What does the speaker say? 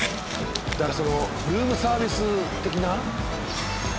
だからそのルームサービス的な。